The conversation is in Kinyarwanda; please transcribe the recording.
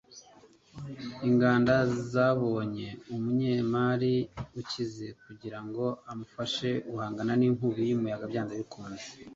Inganda zabonye umunyemari ukize kugirango amufashe guhangana ninkubi yumuyaga byanze bikunze